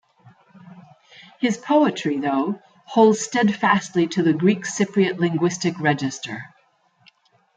His poetry though holds steadfastly to the Greek Cypriot linguistic register.